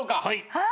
はい。